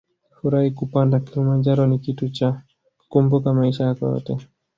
Furahi Kupanda Kilimanjaro ni kitu cha kukumbuka maisha yako yote